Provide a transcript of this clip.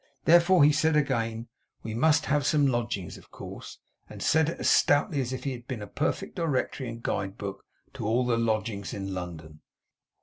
Therefore he said again, 'We must have some lodgings, of course;' and said it as stoutly as if he had been a perfect Directory and Guide Book to all the lodgings in London.